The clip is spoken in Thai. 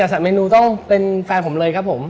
แต่ใส่เมนูต้องเป็นแฟนผมเลยครับผม